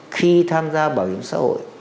khi tham gia bảo hiểm xã hội